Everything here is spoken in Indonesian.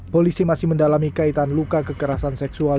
polisi masih mendalami kaitan luka kekerasan seksual